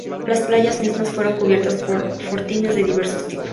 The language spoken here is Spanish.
Las playas mismas fueron cubiertas por fortines de diversos tipos.